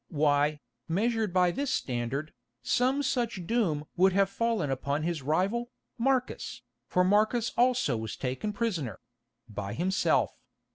Why, measured by this standard, some such doom would have fallen upon his rival, Marcus, for Marcus also was taken prisoner—by himself.